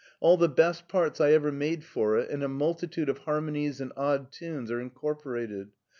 All the best parts I ever made for it and a multitude of harmonies and odd tunes are incorporated.